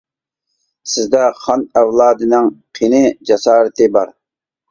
سىزدە خان ئەۋلادىنىڭ قېنى، جاسارىتى بار.